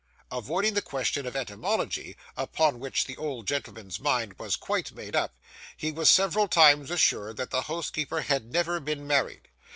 Avoiding the question of etymology, upon which the old gentleman's mind was quite made up, he was several times assured that the housekeeper had never been married.